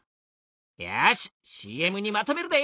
よしＣＭにまとめるで！